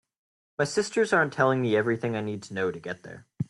My sisters aren’t telling me everything I need to know to get there.